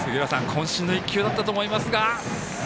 こん身の１球だったと思いますが。